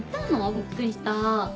びっくりした。